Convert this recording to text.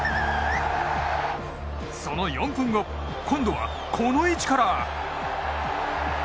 その４分後今度はこの位置から。